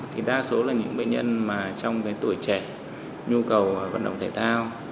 thì đa số là những bệnh nhân mà trong cái tuổi trẻ nhu cầu vận động thể thao